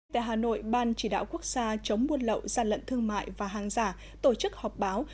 tại hà nội ban chỉ đạo quốc gia chống buôn lậu gian lận thương mại và hàng giả tổ chức họp báo